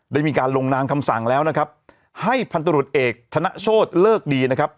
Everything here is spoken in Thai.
ได้มีการลงนามคำสั่งแล้วนะครับให้พันธุรกิจเอกธนโชธเลิกดีนะครับ